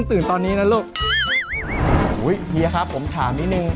อุ๊ยเฮียครับผมถามนิดนึง